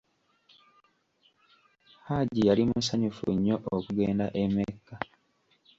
Hajji yali musanyufu nnyo okugenda e Mecca.